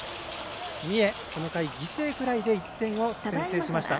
三重、この回、犠牲フライで１点先制しました。